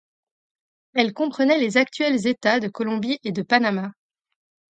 Elle comprenait les actuels États de Colombie et de Panama.